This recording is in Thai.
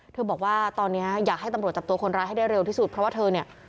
บอกว่าตอนนี้อยากให้ตำรวจจับตัวคนร้ายให้ได้เร็วที่สุดเพราะว่าเธอเนี่ย